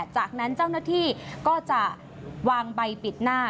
จากนั้นเจ้าหน้าที่ก็จะวางใบปิดหน้า